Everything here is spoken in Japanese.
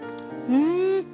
うん。